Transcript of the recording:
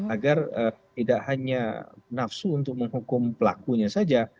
agar tidak hanya nafsu untuk menghukum pelakunya saja